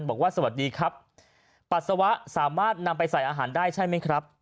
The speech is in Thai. บอกว่าสวัสดีครับปัสสาวะสามารถนำไปใส่อาหารได้ใช่ไหมครับ